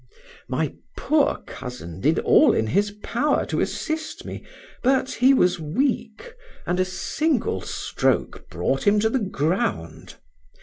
My poor cousin did all in his power to assist me, but he was weak, and a single stroke brought him to the ground.